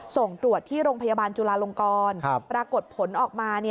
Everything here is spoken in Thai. ส่งตรวจที่โรงพยาบาลจุลาลงกรปรากฏผลออกมา